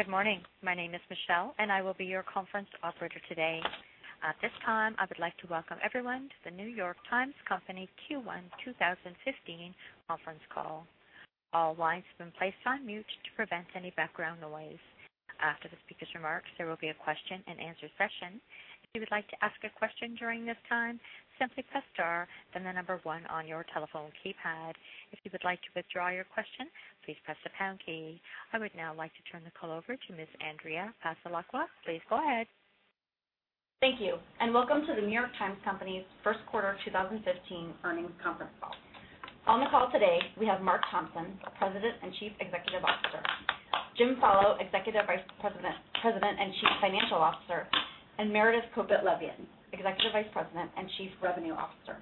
Good morning. My name is Michelle, and I will be your conference operator today. At this time, I would like to welcome everyone to The New York Times Company Q1 2015 conference call. All lines have been placed on mute to prevent any background noise. After the speaker's remarks, there will be a question and answer session. If you would like to ask a question during this time, simply press star, then the number one on your telephone keypad. If you would like to withdraw your question, please press the pound key. I would now like to turn the call over to Ms. Andrea Passalacqua. Please go ahead. Thank you, and welcome to The New York Times Company's first quarter 2015 earnings conference call. On the call today, we have Mark Thompson, President and Chief Executive Officer; Jim Follo, Executive Vice President and Chief Financial Officer; and Meredith Kopit Levien, Executive Vice President and Chief Revenue Officer.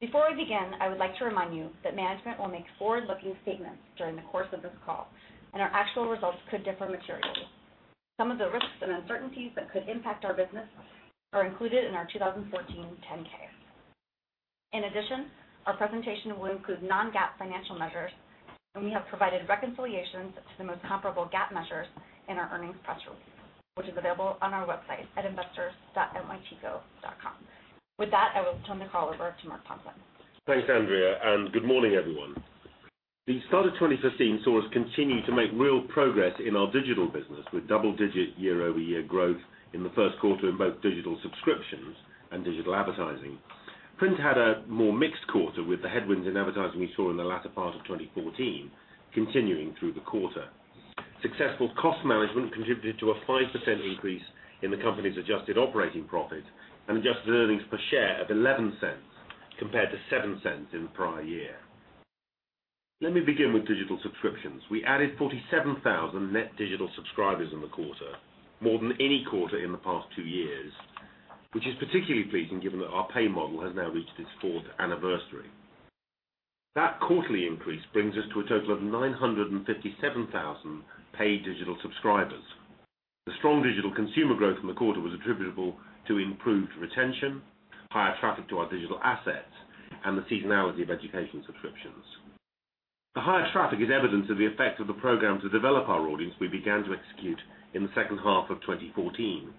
Before we begin, I would like to remind you that management will make forward-looking statements during the course of this call, and our actual results could differ materially. Some of the risks and uncertainties that could impact our business are included in our 2014 10-K. In addition, our presentation will include non-GAAP financial measures, and we have provided reconciliations to the most comparable GAAP measures in our earnings press release, which is available on our website at investors.nytco.com. With that, I will turn the call over to Mark Thompson. Thanks, Andrea, and good morning, everyone. The start of 2015 saw us continue to make real progress in our digital business, with double-digit year-over-year growth in the first quarter in both digital subscriptions and digital advertising. Print had a more mixed quarter, with the headwinds in advertising we saw in the latter part of 2014 continuing through the quarter. Successful cost management contributed to a 5% increase in the company's adjusted operating profit and adjusted earnings per share of $0.11 compared to $0.07 in the prior year. Let me begin with digital subscriptions. We added 47,000 net digital subscribers in the quarter, more than any quarter in the past two years, which is particularly pleasing given that our pay model has now reached its fourth anniversary. That quarterly increase brings us to a total of 957,000 paid digital subscribers. The strong digital consumer growth in the quarter was attributable to improved retention, higher traffic to our digital assets, and the seasonality of education subscriptions. The higher traffic is evidence of the effect of the program to develop our audience we began to execute in the second half of 2014.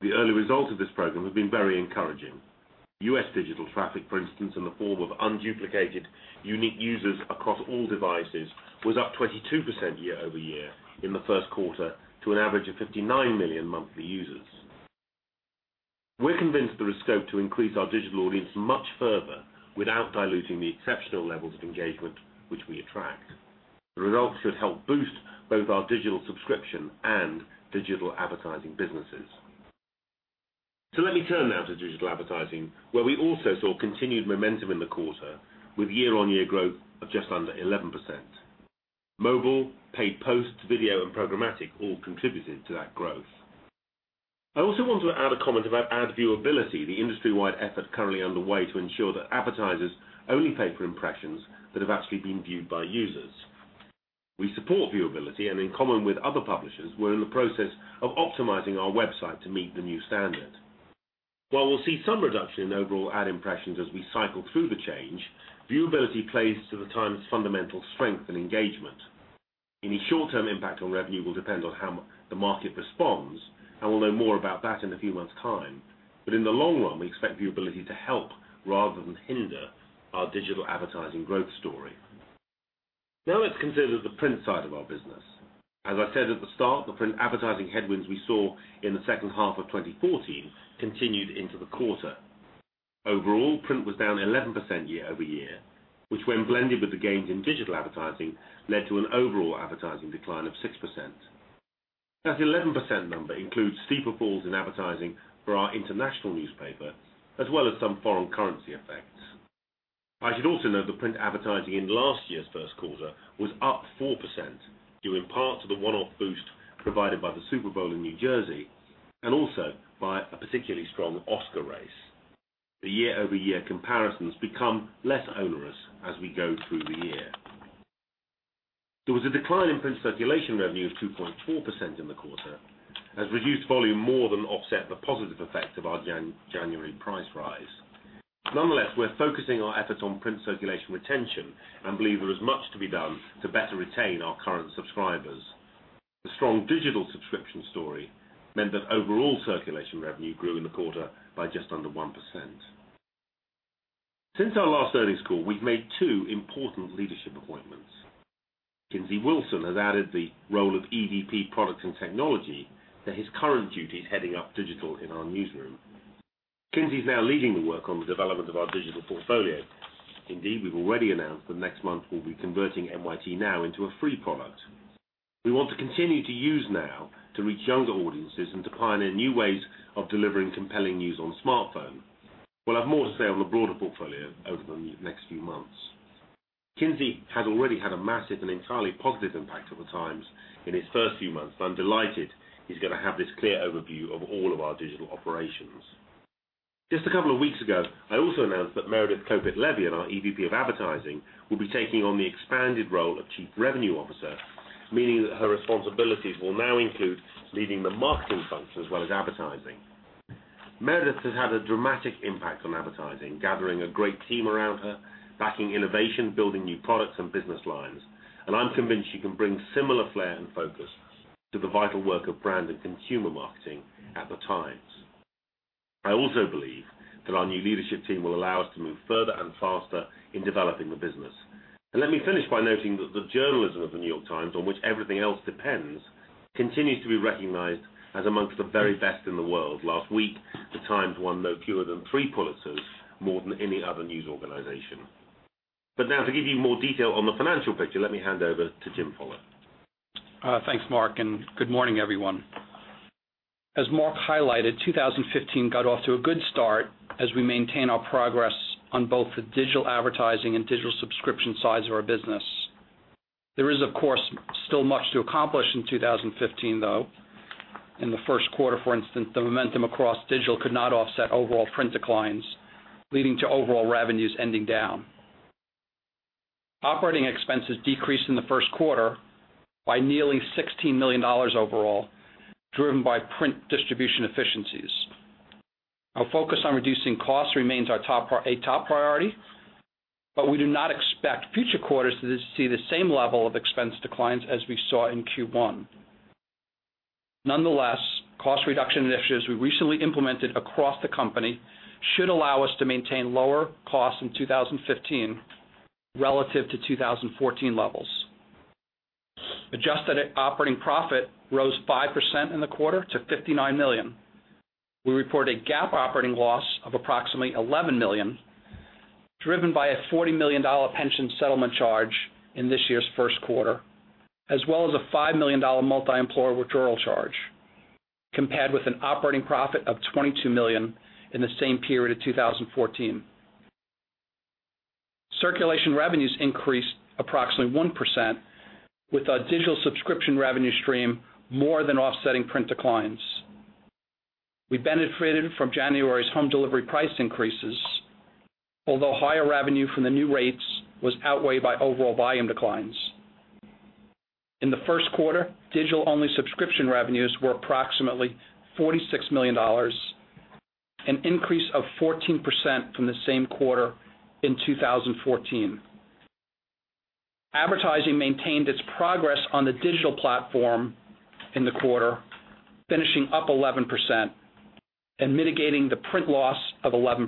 The early results of this program have been very encouraging. U.S. digital traffic, for instance, in the form of unduplicated unique users across all devices, was up 22% year-over-year in the first quarter to an average of 59 million monthly users. We're convinced there is scope to increase our digital audience much further without diluting the exceptional levels of engagement which we attract. The results should help boost both our digital subscription and digital advertising businesses. Let me turn now to digital advertising, where we also saw continued momentum in the quarter with year-over-year growth of just under 11%. Mobile, Paid Posts, video, and programmatic all contributed to that growth. I also want to add a comment about ad viewability, the industry-wide effort currently underway to ensure that advertisers only pay for impressions that have actually been viewed by users. We support viewability, and in common with other publishers, we're in the process of optimizing our website to meet the new standard. While we'll see some reduction in overall ad impressions as we cycle through the change, viewability plays to The Times' fundamental strength and engagement. Any short-term impact on revenue will depend on how the market responds, and we'll know more about that in a few months' time. In the long run, we expect viewability to help rather than hinder our digital advertising growth story. Now let's consider the print side of our business. As I said at the start, the print advertising headwinds we saw in the second half of 2014 continued into the quarter. Overall, print was down 11% year-over-year, which when blended with the gains in digital advertising, led to an overall advertising decline of 6%. That 11% number includes steeper falls in advertising for our international newspaper, as well as some foreign currency effects. I should also note that print advertising in last year's first quarter was up 4%, due in part to the one-off boost provided by the Super Bowl in New Jersey, and also by a particularly strong Oscars race. The year-over-year comparisons become less onerous as we go through the year. There was a decline in print circulation revenue of 2.4% in the quarter as reduced volume more than offset the positive effects of our January price rise. Nonetheless, we're focusing our efforts on print circulation retention and believe there is much to be done to better retain our current subscribers. The strong digital subscription story meant that overall circulation revenue grew in the quarter by just under 1%. Since our last earnings call, we've made two important leadership appointments. Kinsey Wilson has added the role of EVP, Products and Technology, to his current duties heading up digital in our newsroom. Kinsey is now leading the work on the development of our digital portfolio. Indeed, we've already announced that next month we'll be converting NYT Now into a free product. We want to continue to use Now to reach younger audiences and to pioneer new ways of delivering compelling news on smartphone. We'll have more to say on the broader portfolio over the next few months. Kinsey has already had a massive and entirely positive impact on The Times in his first few months. I'm delighted he's going to have this clear overview of all of our digital operations. Just a couple of weeks ago, I also announced that Meredith Kopit Levien, our EVP of Advertising, will be taking on the expanded role of Chief Revenue Officer, meaning that her responsibilities will now include leading the marketing function as well as advertising. Meredith has had a dramatic impact on advertising, gathering a great team around her, backing innovation, building new products and business lines. I'm convinced she can bring similar flair and focus to the vital work of brand and consumer marketing at the Times. I also believe that our new leadership team will allow us to move further and faster in developing the business. Let me finish by noting that the journalism of "The New York Times," on which everything else depends, continues to be recognized as among the very best in the world. Last week, the Times won no fewer than three Pulitzers, more than any other news organization. Now, to give you more detail on the financial picture, let me hand over to Jim Follo. Thanks, Mark, and good morning, everyone. As Mark highlighted, 2015 got off to a good start as we maintain our progress on both the digital advertising and digital subscription sides of our business. There is, of course, still much to accomplish in 2015, though. In the first quarter, for instance, the momentum across digital could not offset overall print declines, leading to overall revenues ending down. Operating expenses decreased in the first quarter by nearly $16 million overall, driven by print distribution efficiencies. Our focus on reducing costs remains a top priority, but we do not expect future quarters to see the same level of expense declines as we saw in Q1. Nonetheless, cost reduction initiatives we recently implemented across the company should allow us to maintain lower costs in 2015 relative to 2014 levels. Adjusted operating profit rose 5% in the quarter to $59 million. We report a GAAP operating loss of approximately $11 million, driven by a $40 million pension settlement charge in this year's first quarter, as well as a $5 million multi-employer withdrawal charge, compared with an operating profit of $22 million in the same period of 2014. Circulation revenues increased approximately 1% with our digital subscription revenue stream more than offsetting print declines. We benefited from January's home delivery price increases, although higher revenue from the new rates was outweighed by overall volume declines. In the first quarter, digital-only subscription revenues were approximately $46 million, an increase of 14% from the same quarter in 2014. Advertising maintained its progress on the digital platform in the quarter, finishing up 11% and mitigating the print loss of 11%.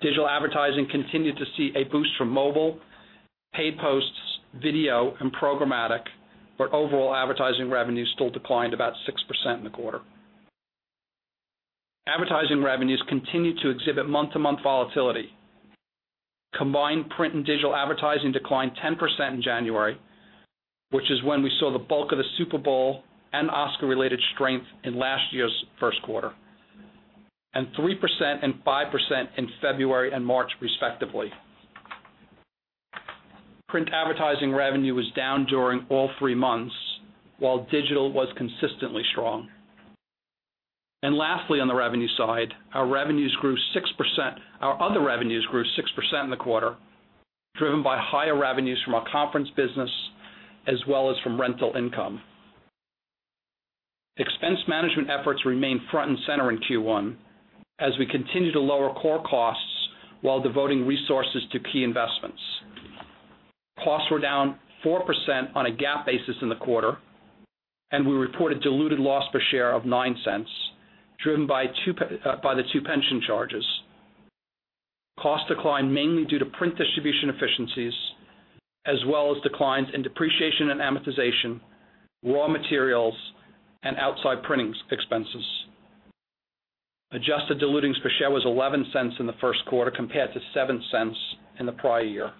Digital advertising continued to see a boost from mobile, Paid Posts, video, and programmatic, but overall advertising revenues still declined about 6% in the quarter. Advertising revenues continued to exhibit month-to-month volatility. Combined print and digital advertising declined 10% in January, which is when we saw the bulk of the Super Bowl and Oscars related strength in last year's first quarter, 3% and 5% in February and March respectively. Print advertising revenue was down during all three months, while digital was consistently strong. Lastly, on the revenue side, our other revenues grew 6% in the quarter, driven by higher revenues from our conference business as well as from rental income. Expense management efforts remained front and center in Q1 as we continue to lower core costs while devoting resources to key investments. Costs were down 4% on a GAAP basis in the quarter, and we reported diluted loss per share of $0.09, driven by the two pension charges. Costs declined mainly due to print distribution efficiencies, as well as declines in depreciation and amortization, raw materials, and outside printing expenses. Adjusted diluted per share was $0.11 in the first quarter compared to $0.07 in the prior year.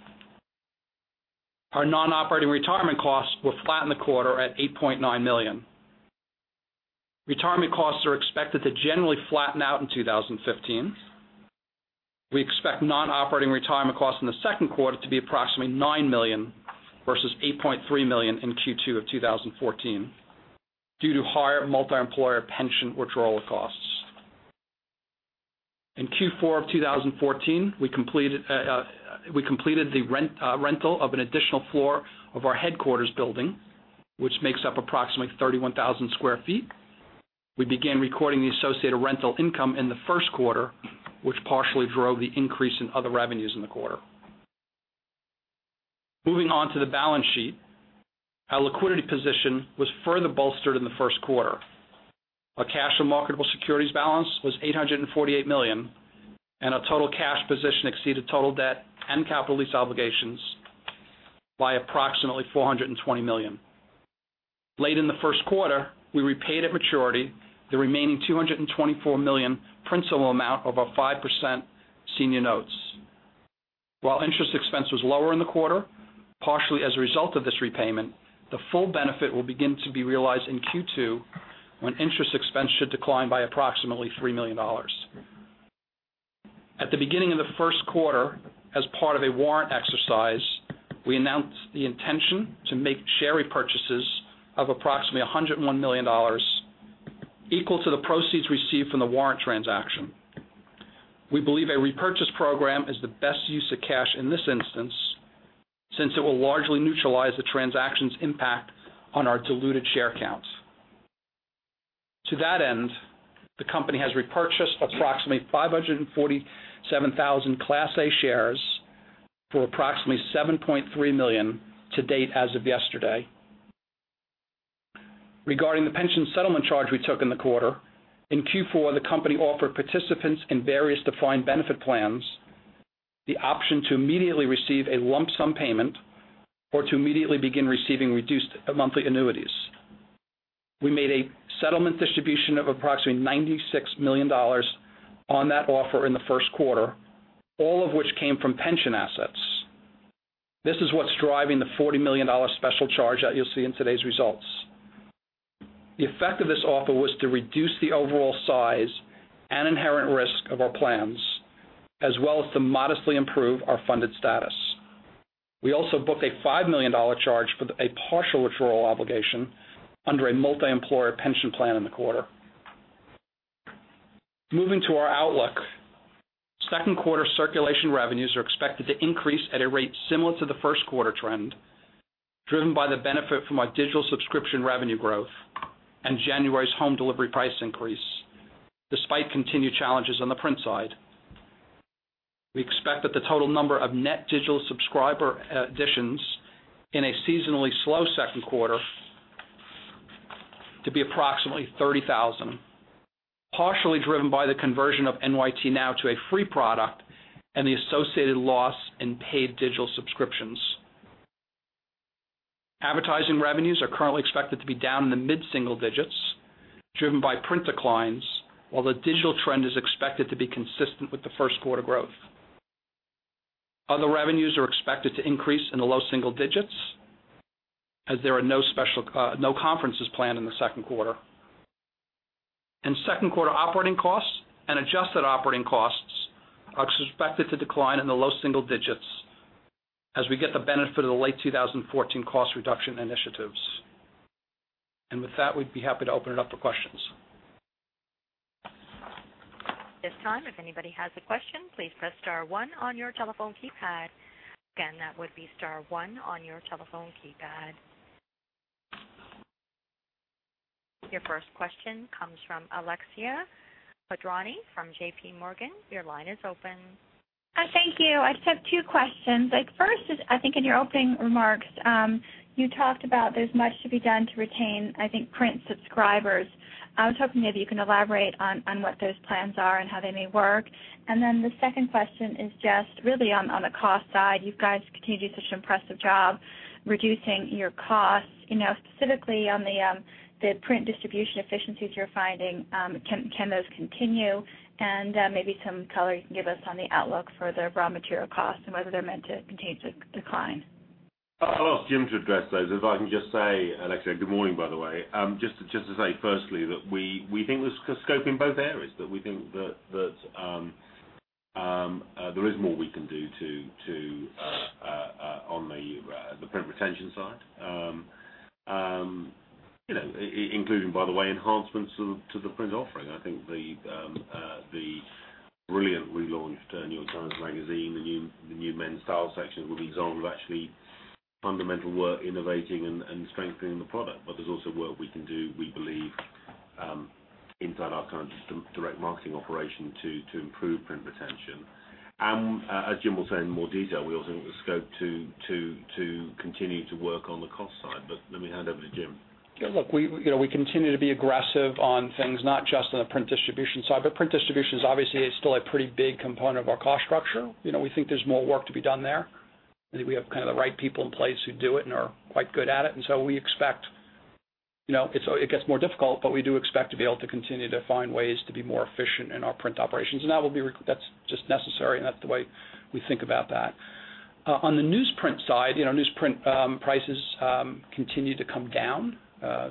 Our non-operating retirement costs were flat in the quarter at $8.9 million. Retirement costs are expected to generally flatten out in 2015. We expect non-operating retirement costs in the second quarter to be approximately $9 million versus $8.3 million in Q2 of 2014 due to higher multi-employer pension withdrawal costs. In Q4 of 2014, we completed the rental of an additional floor of our headquarters building, which makes up approximately 31,000 sq ft. We began recording the associated rental income in the first quarter, which partially drove the increase in other revenues in the quarter. Moving on to the balance sheet. Our liquidity position was further bolstered in the first quarter. Our cash and marketable securities balance was $848 million, and our total cash position exceeded total debt and capital lease obligations by approximately $420 million. Late in the first quarter, we repaid at maturity the remaining $224 million principal amount of our 5% senior notes. While interest expense was lower in the quarter, partially as a result of this repayment, the full benefit will begin to be realized in Q2, when interest expense should decline by approximately $3 million. At the beginning of the first quarter, as part of a warrant exercise, we announced the intention to make share repurchases of approximately $101 million, equal to the proceeds received from the warrant transaction. We believe a repurchase program is the best use of cash in this instance, since it will largely neutralize the transaction's impact on our diluted share counts. To that end, the company has repurchased approximately 547,000 Class A shares for approximately $7.3 million to date as of yesterday. Regarding the pension settlement charge we took in the quarter, in Q4, the company offered participants in various defined benefit plans the option to immediately receive a lump sum payment or to immediately begin receiving reduced monthly annuities. We made a settlement distribution of approximately $96 million on that offer in the first quarter, all of which came from pension assets. This is what's driving the $40 million special charge that you'll see in today's results. The effect of this offer was to reduce the overall size and inherent risk of our plans, as well as to modestly improve our funded status. We also booked a $5 million charge for a partial withdrawal obligation under a multi-employer pension plan in the quarter. Moving to our outlook. Second quarter circulation revenues are expected to increase at a rate similar to the first quarter trend, driven by the benefit from our digital subscription revenue growth and January's home delivery price increase despite continued challenges on the print side. We expect that the total number of net digital subscriber additions in a seasonally slow second quarter to be approximately 30,000, partially driven by the conversion of NYT Now to a free product and the associated loss in paid digital subscriptions. Advertising revenues are currently expected to be down in the mid-single digits%, driven by print declines, while the digital trend is expected to be consistent with the first quarter growth. Other revenues are expected to increase in the low single digits% as there are no conferences planned in the second quarter. Second quarter operating costs and adjusted operating costs are expected to decline in the low single digits as we get the benefit of the late 2014 cost reduction initiatives. With that, we'd be happy to open it up for questions. At this time, if anybody has a question, please press star one on your telephone keypad. Again, that would be star one on your telephone keypad. Your first question comes from Alexia Quadrani from JPMorgan. Your line is open. Thank you. I just have two questions. First is, I think in your opening remarks, you talked about there's much to be done to retain, I think, print subscribers. I was hoping maybe you can elaborate on what those plans are and how they may work. The second question is just really on the cost side. You guys continue to do such an impressive job reducing your costs. Specifically on the print distribution efficiencies you're finding, can those continue? Maybe some color you can give us on the outlook for the raw material costs and whether they're meant to continue to decline. I'll ask Jim to address those. If I can just say, Alexia, good morning, by the way. Just to say firstly, that we think there's scope in both areas, that we think that there is more we can do on the print retention side, including, by the way, enhancements to the print offering. I think the brilliant relaunch of The New York Times Magazine, the new Men's Style section will be example of actually fundamental work innovating and strengthening the product. There's also work we can do, we believe inside our kind of direct marketing operation to improve print retention. As Jim will say in more detail, we also think there's scope to continue to work on the cost side. Let me hand over to Jim. Yeah, look, we continue to be aggressive on things, not just on the print distribution side, but print distribution is obviously still a pretty big component of our cost structure. We think there's more work to be done there. I think we have kind of the right people in place who do it and are quite good at it. It gets more difficult, but we do expect to be able to continue to find ways to be more efficient in our print operations. That's just necessary, and that's the way we think about that. On the newsprint side, newsprint prices continue to come down,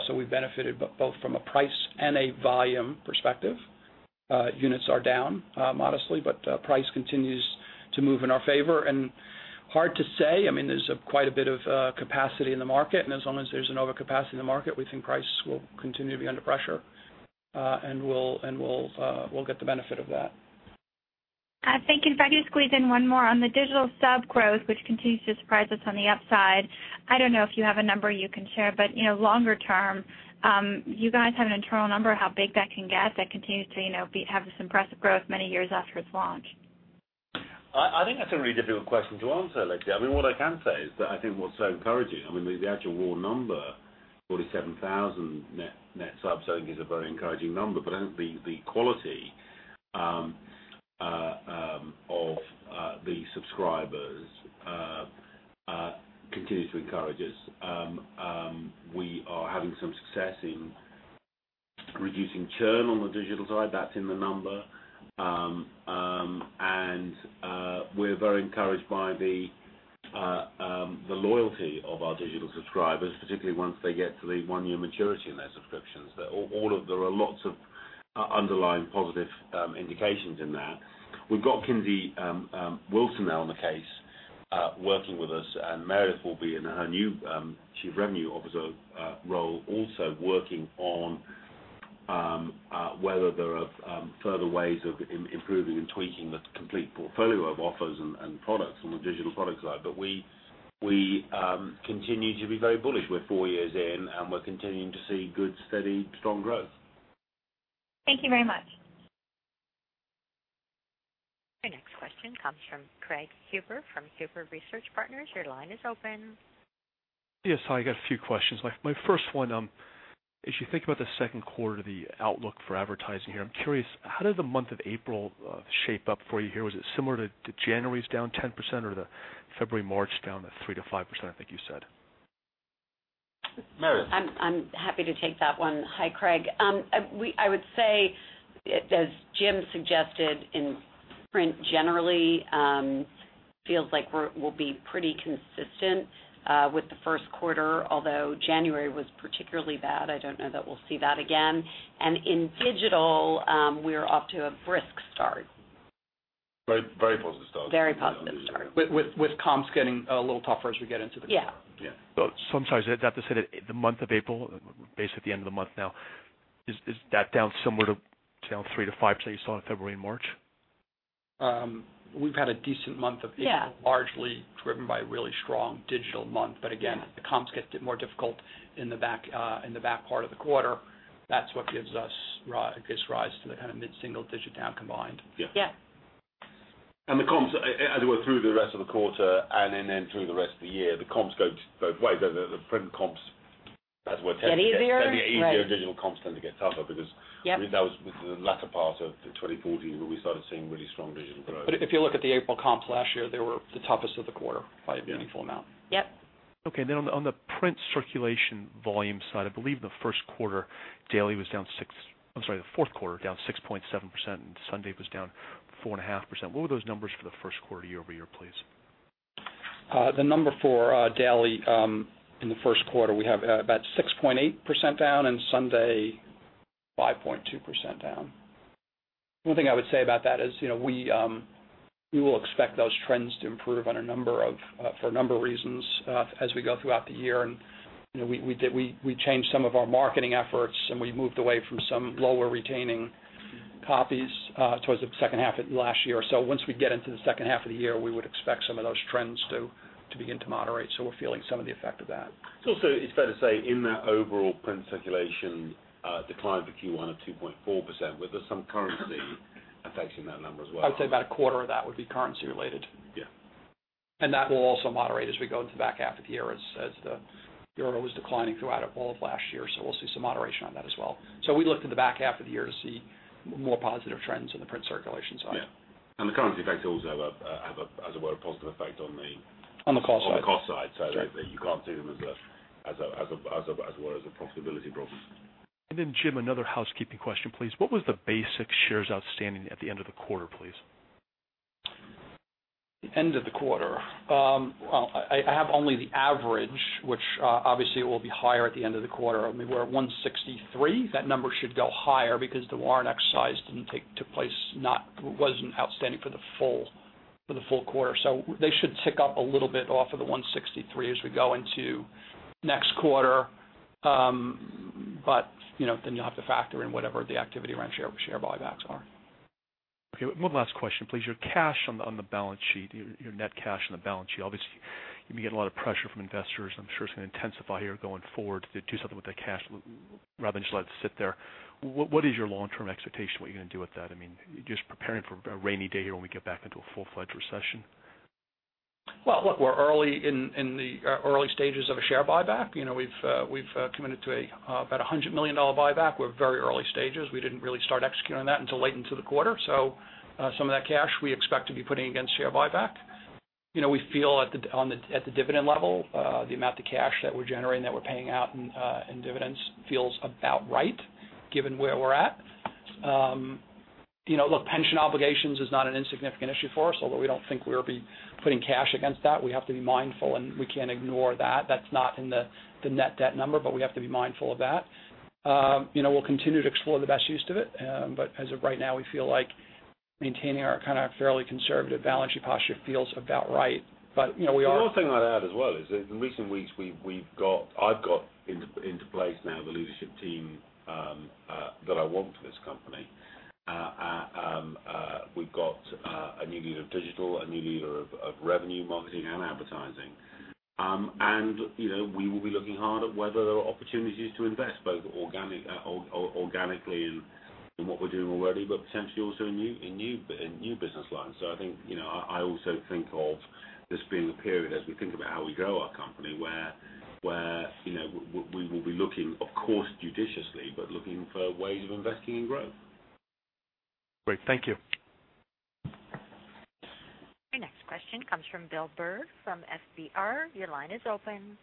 so we've benefited both from a price and a volume perspective. Units are down modestly, but price continues to move in our favor, and hard to say, I mean, there's quite a bit of capacity in the market, and as long as there's an overcapacity in the market, we think prices will continue to be under pressure. We'll get the benefit of that. Thank you. If I could just squeeze in one more on the digital sub growth, which continues to surprise us on the upside. I don't know if you have a number you can share, but longer term, do you guys have an internal number how big that can get that continues to have this impressive growth many years after its launch? I think that's a really difficult question to answer, Alexia. I mean, what I can say is that I think what's so encouraging, I mean, the actual raw number, 47,000 net subs, I think is a very encouraging number. I think the quality of the subscribers continues to encourage us. We are having some success in reducing churn on the digital side that's in the number. We're very encouraged by the loyalty of our digital subscribers, particularly once they get to the one-year maturity in their subscriptions. There are lots of underlying positive indications in that. We've got Kinsey Wilson now on the case. Working with us, and Meredith will be in her new Chief Revenue Officer role, also working on whether there are further ways of improving and tweaking the complete portfolio of offers and products on the digital product side. We continue to be very bullish. We're four years in, and we're continuing to see good, steady, strong growth. Thank you very much. Your next question comes from Craig Huber from Huber Research Partners. Your line is open. Yes. Hi, I got a few questions. My first one, as you think about the second quarter, the outlook for advertising here, I'm curious, how did the month of April shape up for you here? Was it similar to January's down 10%, or February, March down 3%-5%, I think you said? Meredith. I'm happy to take that one. Hi, Craig. I would say, as Jim suggested, in print generally, feels like we'll be pretty consistent with the first quarter, although January was particularly bad. I don't know that we'll see that again. In digital, we're off to a brisk start. Very positive start. Very positive start. With comps getting a little tougher as we get into the quarter. Yeah. Yeah. I'm sorry. Is that to say that the month of April, basically at the end of the month now, is that down similar to, say, 3%-5% you saw in February and March? We've had a decent month of April. Yeah. Largely driven by a really strong digital month, but again the comps get more difficult in the back part of the quarter. That's what gives rise to the kind of mid-single-digit down combined. Yeah. Yeah. As we work through the rest of the quarter and then through the rest of the year, the comps go both ways. The print comps, as it were. Get easier. Tend to get easier. Digital comps tend to get tougher because Yep. That was the latter part of 2014 where we started seeing really strong digital growth. If you look at the April comps last year, they were the toughest of the quarter by a meaningful amount. Yep. Okay. On the print circulation volume side, I believe the fourth quarter daily was down 6.7%, and Sunday was down 4.5%. What were those numbers for the first quarter year-over-year, please? The number for daily, in the first quarter, we have about 6.8% down and Sunday 5.2% down. One thing I would say about that is, we will expect those trends to improve for a number of reasons as we go throughout the year, and we changed some of our marketing efforts, and we moved away from some lower retaining copies towards the second half of last year. Once we get into the second half of the year, we would expect some of those trends to begin to moderate. We're feeling some of the effect of that. It's fair to say in that overall print circulation decline for Q1 of 2.4%, where there's some currency affecting that number as well. I'd say about a quarter of that would be currency related. Yeah. That will also moderate as we go into the back half of the year as the euro was declining throughout all of last year. We'll see some moderation on that as well. We look to the back half of the year to see more positive trends on the print circulation side. Yeah. The currency effect also had, as a whole, a positive effect on the on the cost side. On the cost side. That's right. You can't see them as a profitability problem. Jim, another housekeeping question, please. What was the basic shares outstanding at the end of the quarter, please? The end of the quarter. Well, I have only the average, which obviously it will be higher at the end of the quarter. We were at 163. That number should go higher because the warrant exercise took place, wasn't outstanding for the full quarter. They should tick up a little bit off of the 163 as we go into next quarter. You'll have to factor in whatever the activity around share buybacks are. Okay. One last question, please. Your cash on the balance sheet, your net cash on the balance sheet, obviously, you've been getting a lot of pressure from investors. I'm sure it's going to intensify here going forward to do something with that cash rather than just let it sit there. What is your long-term expectation? What are you going to do with that? You're just preparing for a rainy day here when we get back into a full-fledged recession? Well, look, we're in the early stages of a share buyback. We've committed to about $100 million buyback. We didn't really start executing that until late into the quarter. So some of that cash we expect to be putting against share buyback. We feel at the dividend level, the amount of cash that we're generating, that we're paying out in dividends feels about right given where we're at. Look, pension obligations is not an insignificant issue for us, although we don't think we'll be putting cash against that. We have to be mindful, and we can't ignore that. That's not in the net debt number, but we have to be mindful of that. We'll continue to explore the best use of it, but as of right now, we feel like maintaining our kind of fairly conservative balance sheet posture feels about right. But we are- The other thing I'd add as well is that in recent weeks I've got in place now the leadership team that I want for this company. We've got a new leader of digital, a new leader of revenue, marketing, and advertising. We will be looking hard at whether there are opportunities to invest both organically in what we're doing already, but potentially also in new business lines. I also think of this being a period as we think about how we grow our company, where we will be looking, of course, judiciously, but looking for ways of investing in growth. Great. Thank you. Your next question comes from William Bardeen from SBR. Your line is open.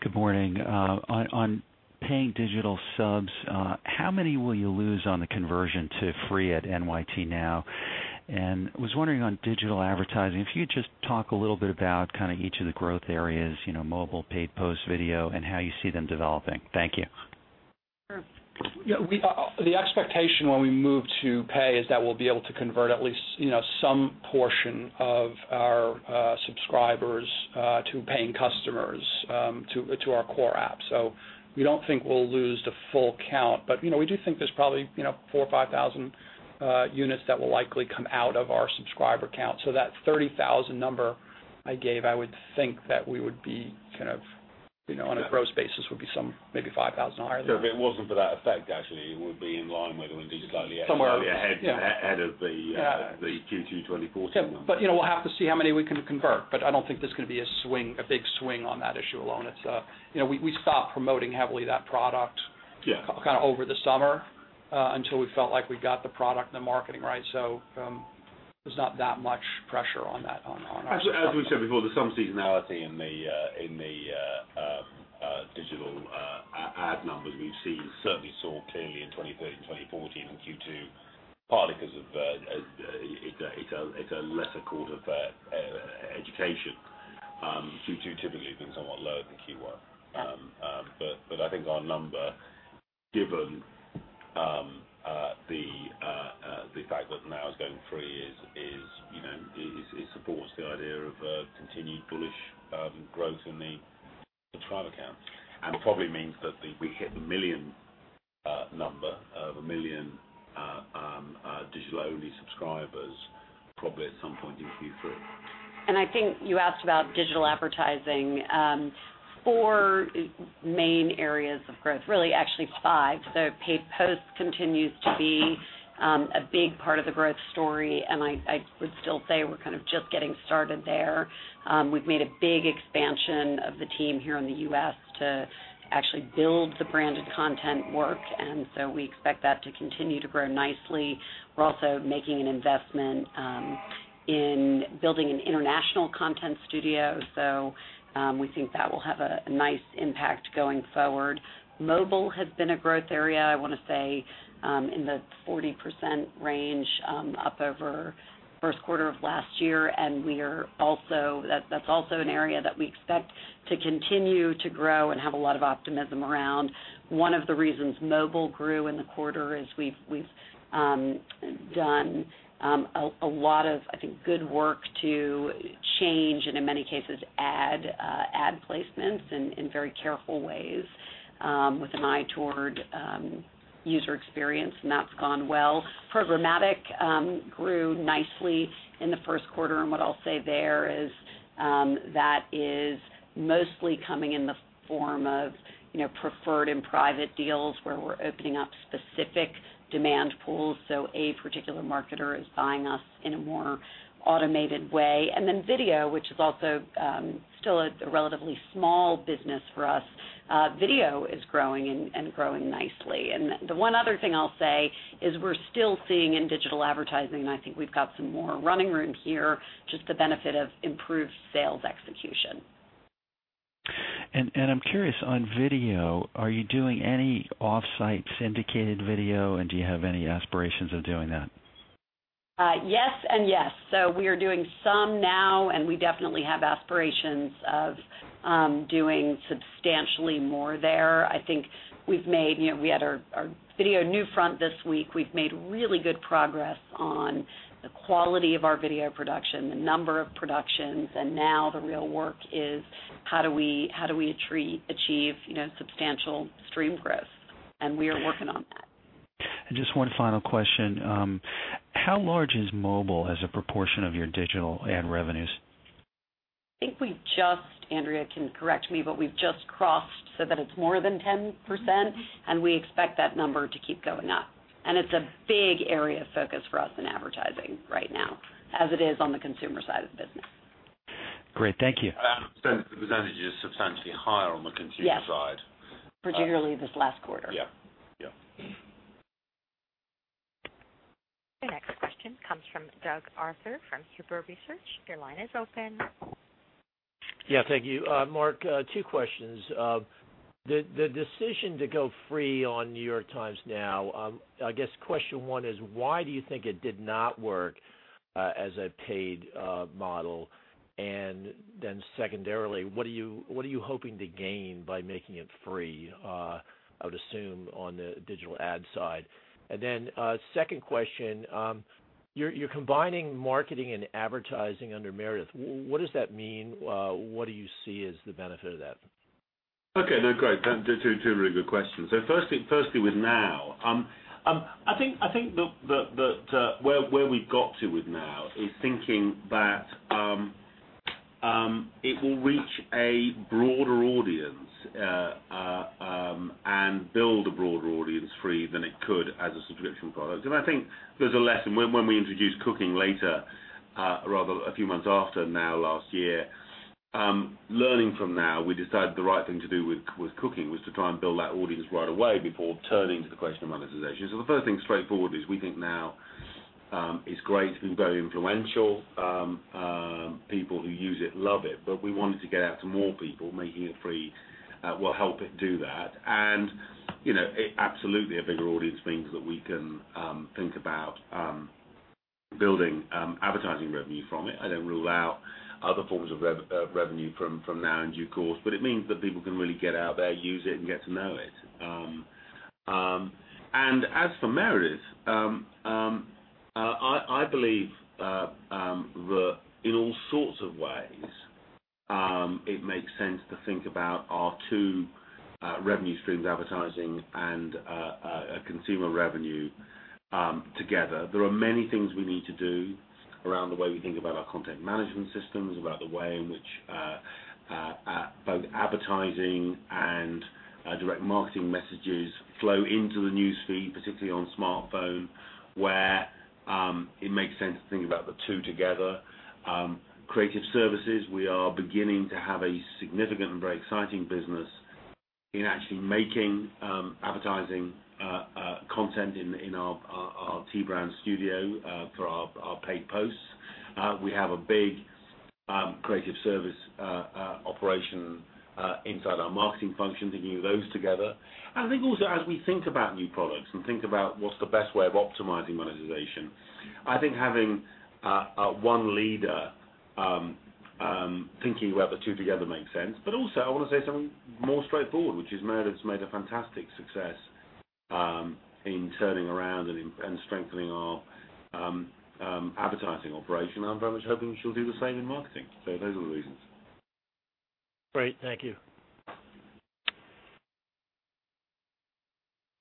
Good morning. On paying digital subs, how many will you lose on the conversion to free at NYT Now? Was wondering on digital advertising, if you could just talk a little bit about kind of each of the growth areas, mobile, Paid Posts, video, and how you see them developing. Thank you. Sure. The expectation when we move to pay is that we'll be able to convert at least some portion of our subscribers to paying customers to our core app. We don't think we'll lose the full count. We do think there's probably 4,000 or 5,000 units that will likely come out of our subscriber count. That 30,000 number I gave, I would think that we would be on a gross basis, would be some maybe 5,000 higher than that. If it wasn't for that effect, actually, it would be in line with or maybe slightly ahead of the Q2 2014 one. Yeah. We'll have to see how many we can convert, but I don't think there's going to be a big swing on that issue alone. We stopped promoting heavily that product over the summer, until we felt like we got the product and the marketing right. There's not that much pressure on that. Actually, as we've said before, there's some seasonality in the digital ad numbers we've seen, certainly saw clearly in 2013 and 2014 in Q2, partly because it's a lesser quarter for education. Q2 typically has been somewhat lower than Q1. I think our number, given the fact that Now is going free, it supports the idea of continued bullish growth in the trial account, and probably means that we hit the 1 million number of 1 million digital-only subscribers probably at some point in Q3. I think you asked about digital advertising. Four main areas of growth, really, actually five. Paid Posts continues to be a big part of the growth story, and I would still say we're just getting started there. We've made a big expansion of the team here in the U.S. to actually build the branded content work, and so we expect that to continue to grow nicely. We're also making an investment in building an international content studio. We think that will have a nice impact going forward. Mobile has been a growth area, I want to say, in the 40% range up over first quarter of last year, and that's also an area that we expect to continue to grow and have a lot of optimism around. One of the reasons mobile grew in the quarter is we've done a lot of, I think, good work to change, and in many cases, add ad placements in very careful ways with an eye toward user experience, and that's gone well. Programmatic grew nicely in the first quarter. What I'll say there is that is mostly coming in the form of preferred and private deals where we're opening up specific demand pools, so a particular marketer is buying us in a more automated way. Then video, which is also still a relatively small business for us, video is growing and growing nicely. The one other thing I'll say is we're still seeing in digital advertising, and I think we've got some more running room here, just the benefit of improved sales execution. I'm curious, on video, are you doing any off-site syndicated video, and do you have any aspirations of doing that? Yes and yes. We are doing some now, and we definitely have aspirations of doing substantially more there. I think we had our video NewFront this week. We've made really good progress on the quality of our video production, the number of productions, and now the real work is how do we achieve substantial stream growth? We are working on that. Just one final question. How large is mobile as a proportion of your digital ad revenues? I think we just, Andrea can correct me, but we've just crossed so that it's more than 10%, and we expect that number to keep going up. It's a big area of focus for us in advertising right now, as it is on the consumer side of the business. Great. Thank you. The percentage is substantially higher on the consumer side. Yes. Particularly this last quarter. Yeah. Mm-hmm. Your next question comes from Doug Arthur from Huber Research. Your line is open. Yeah, thank you. Mark, two questions. The decision to go free on New York Times Now, I guess question one is why do you think it did not work as a paid model? And then secondarily, what are you hoping to gain by making it free, I would assume on the digital ad side? And then second question, you're combining marketing and advertising under Meredith. What does that mean? What do you see as the benefit of that? Okay. No, great. Two really good questions. Firstly with NYT Now. I think where we got to with NYT Now is thinking that it will reach a broader audience, and build a broader audience free than it could as a subscription product. I think there's a lesson. When we introduced NYT Cooking later, rather a few months after NYT Now last year, learning from NYT Now, we decided the right thing to do with NYT Cooking was to try and build that audience right away before turning to the question of monetization. The first thing straightforward is we think NYT Now is great. It's been very influential. People who use it love it, but we wanted to get it out to more people. Making it free will help it do that. Absolutely, a bigger audience means that we can think about building advertising revenue from it. I don't rule out other forms of revenue from now in due course, but it means that people can really get out there, use it and get to know it. As for Meredith, I believe that in all sorts of ways, it makes sense to think about our two revenue streams, advertising and consumer revenue together. There are many things we need to do around the way we think about our content management systems, about the way in which both advertising and direct marketing messages flow into the news feed, particularly on smartphone, where it makes sense to think about the two together. Creative services. We are beginning to have a significant and very exciting business in actually making advertising content in our T Brand Studio for our Paid Posts. We have a big creative service operation inside our marketing function to do those together. I think also as we think about new products and think about what's the best way of optimizing monetization, I think having one leader thinking about the two together makes sense. Also I want to say something more straightforward, which is Meredith's made a fantastic success in turning around and strengthening our advertising operation. I'm very much hoping she'll do the same in marketing. Those are the reasons. Great. Thank you.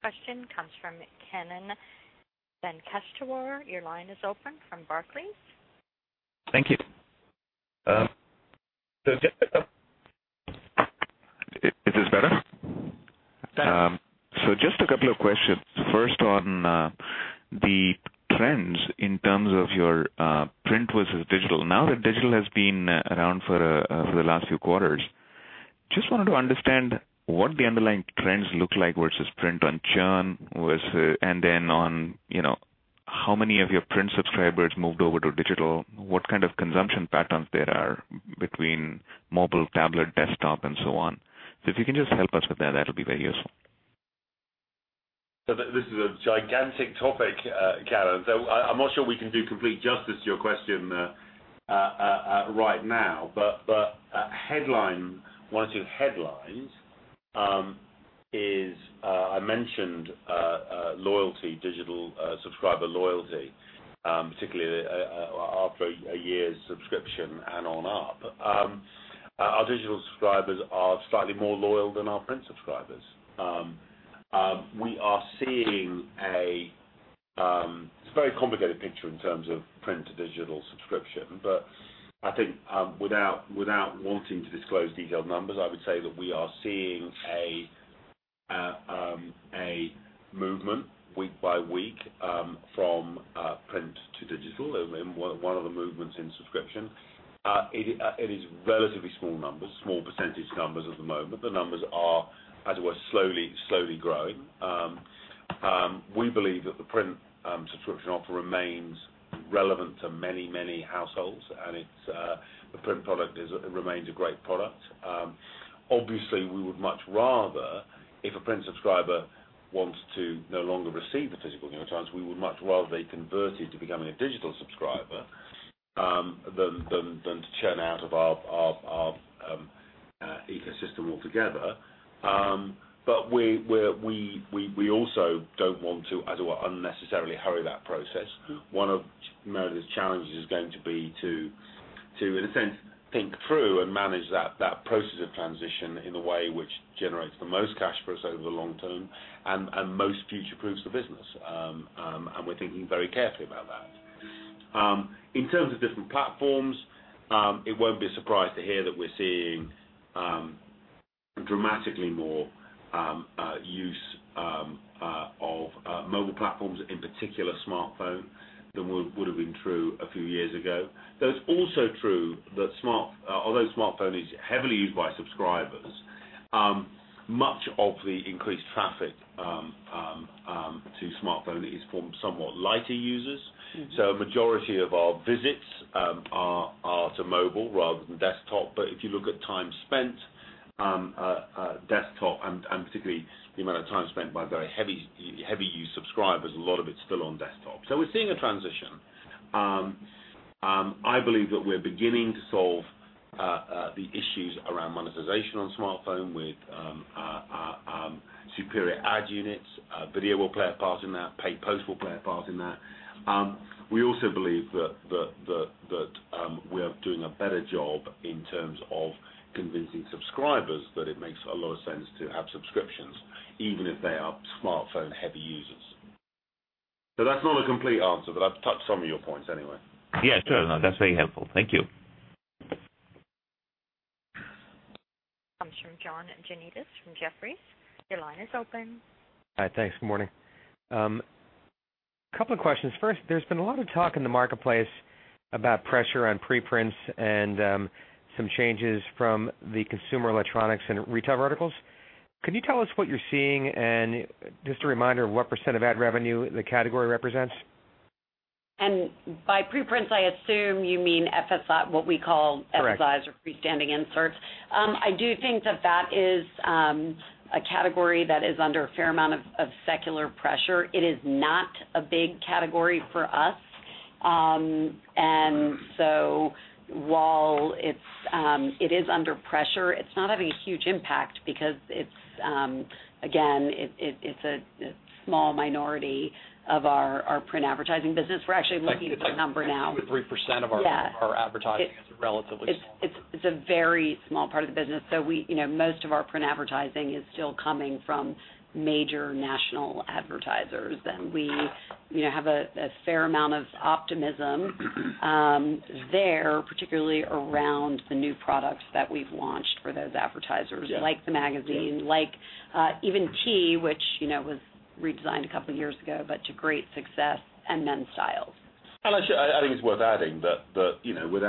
Question comes from Kannan Venkateshwar. Your line is open from Barclays. Thank you. Is this better? Better. Just a couple of questions. First, on the trends in terms of your print versus digital. Now that digital has been around for the last few quarters, just wanted to understand what the underlying trends look like versus print on churn, and then on how many of your print subscribers moved over to digital, what kind of consumption patterns there are between mobile, tablet, desktop, and so on. If you can just help us with that'll be very useful. This is a gigantic topic, Kannan, so I'm not sure we can do complete justice to your question right now, but one or two headlines is, I mentioned loyalty, digital subscriber loyalty, particularly after a year's subscription and on up. Our digital subscribers are slightly more loyal than our print subscribers. It's a very complicated picture in terms of print to digital subscription, but I think without wanting to disclose detailed numbers, I would say that we are seeing a movement week by week from print to digital, one of the movements in subscription. It is relatively small numbers, small percentage numbers at the moment. The numbers are, as it were, slowly growing. We believe that the print subscription offer remains relevant to many households, and the print product remains a great product. Obviously, we would much rather, if a print subscriber wants to no longer receive the physical New York Times, we would much rather they converted to becoming a digital subscriber, than to churn out of our ecosystem altogether. But we also don't want to, as it were, unnecessarily hurry that process. One of Meredith's challenges is going to be to, in a sense, think through and manage that process of transition in a way which generates the most cash for us over the long term and most future-proofs the business. We're thinking very carefully about that. In terms of different platforms, it won't be a surprise to hear that we're seeing dramatically more use of mobile platforms, in particular smartphone, than would have been true a few years ago. Though it's also true that although smartphone is heavily used by subscribers, much of the increased traffic to smartphone is from somewhat lighter users. Mm-hmm. A majority of our visits are to mobile rather than desktop. If you look at time spent, desktop and particularly the amount of time spent by very heavy use subscribers, a lot of it's still on desktop. We're seeing a transition. I believe that we're beginning to solve the issues around monetization on smartphone with our superior ad units. Video will play a part in that, Paid Post will play a part in that. We also believe that we are doing a better job in terms of convincing subscribers that it makes a lot of sense to have subscriptions, even if they are smartphone-heavy users. That's not a complete answer, but I've touched some of your points anyway. Yeah, sure. No, that's very helpful. Thank you. Comes from John Janedis from Jefferies. Your line is open. Hi. Thanks. Good morning. Couple of questions. First, there's been a lot of talk in the marketplace about pressure on preprints and some changes from the consumer electronics and retail verticals. Could you tell us what you're seeing? Just a reminder of what percent of ad revenue the category represents. By preprints, I assume you mean what we call. Correct. FSIs or free-standing inserts. I do think that is a category that is under a fair amount of secular pressure. It is not a big category for us. While it is under pressure, it's not having a huge impact because, again, it's a small minority of our print advertising business. We're actually looking at the number now. It's like 2% or 3% of our advertising. Yeah. It's a relatively small number. It's a very small part of the business. Most of our print advertising is still coming from major national advertisers, and we have a fair amount of optimism there, particularly around the new products that we've launched for those advertisers, like the magazine, like even T, which was redesigned a couple of years ago, but to great success, and Men's Style. Actually, I think it's worth adding that with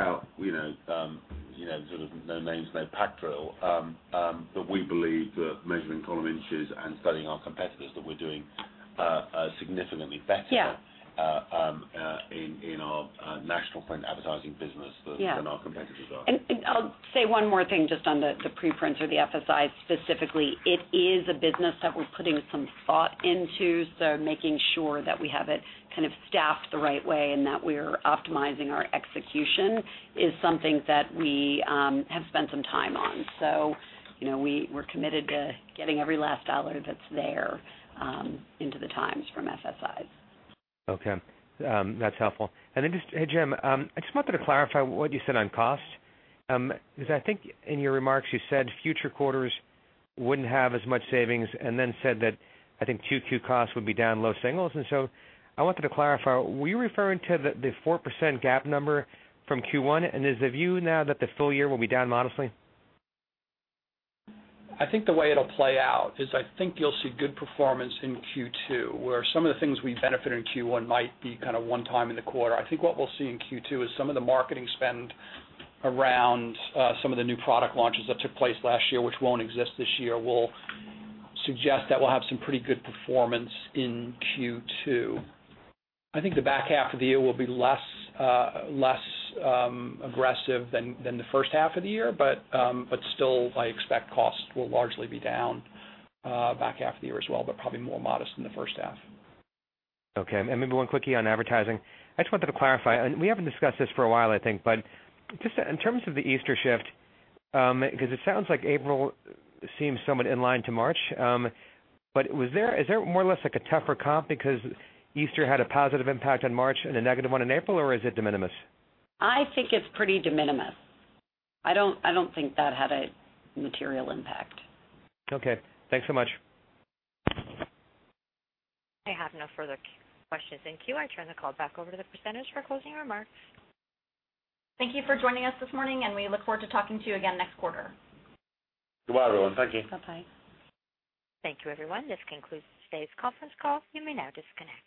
no names, no pack drill, but we believe that measuring column inches and studying our competitors, that we're doing significantly better. Yeah. In our national print advertising business than our competitors are. Yeah. I'll say one more thing just on the preprints or the FSIs specifically. It is a business that we're putting some thought into, so making sure that we have it staffed the right way and that we're optimizing our execution is something that we have spent some time on. We're committed to getting every last dollar that's there into the Times from FSIs. Okay. That's helpful. Just, hey, Jim, I just wanted to clarify what you said on cost. Because I think in your remarks, you said future quarters wouldn't have as much savings and then said that, I think, Q2 costs would be down low singles. I wanted to clarify, were you referring to the 4% GAAP number from Q1? Is the view now that the full year will be down modestly? I think the way it'll play out is I think you'll see good performance in Q2, where some of the things we benefit in Q1 might be one time in the quarter. I think what we'll see in Q2 is some of the marketing spend around some of the new product launches that took place last year, which won't exist this year, will suggest that we'll have some pretty good performance in Q2. I think the back half of the year will be less aggressive than the first half of the year. Still, I expect costs will largely be down back half of the year as well, but probably more modest than the first half. Okay. Maybe one quickie on advertising. I just wanted to clarify, and we haven't discussed this for a while, I think, but just in terms of the Easter shift, because it sounds like April seems somewhat in line to March. Is there more or less a tougher comp because Easter had a positive impact on March and a negative one in April, or is it de minimis? I think it's pretty de minimis. I don't think that had a material impact. Okay. Thanks so much. I have no further questions in queue. I turn the call back over to the presenters for closing remarks. Thank you for joining us this morning, and we look forward to talking to you again next quarter. Goodbye, everyone. Thank you. Bye-bye. Thank you, everyone. This concludes today's conference call. You may now disconnect.